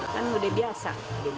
kan udah biasa